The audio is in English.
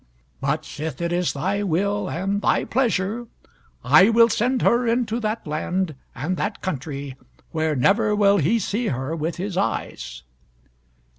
But sith it is thy will and thy pleasure, I will send her into that land and that country where never will he see her with his eyes."